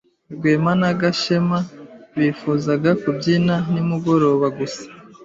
Rwema na Gashema bifuzaga kubyina nimugoroba gusa.